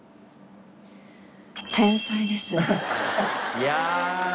いや。